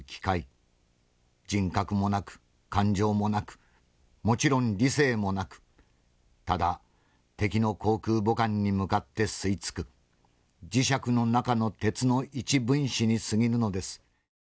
人格もなく感情もなくもちろん理性もなくただ敵の航空母艦に向かって吸い付く磁石の中の鉄の一分子にすぎぬのです。